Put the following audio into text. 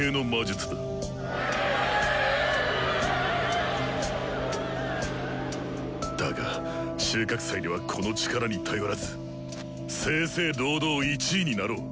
心の声だが収穫祭ではこの力に頼らず正々堂々１位になろう！